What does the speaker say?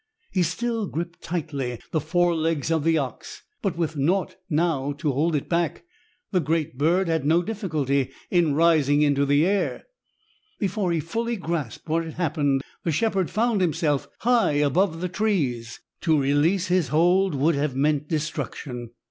He still gripped tightly the forelegs of the ox, but with naught now to hold it back, the great bird had no difficulty in rising into the air. Before he fully grasped what had happened, the shepherd found himself high above the trees. To release his hold would have meant destruction.